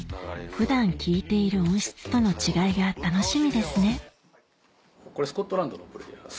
普段聴いている音質との違いが楽しみですねスコットランド？